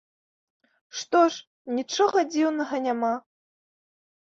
Што ж, нічога дзіўнага няма.